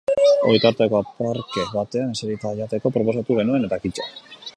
Ogitartekoa parke batean eserita jateko proposatu genuen eta kito.